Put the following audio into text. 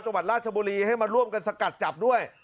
จังหวัดราชบุรีให้มาร่วมกันสกัดจับด้วย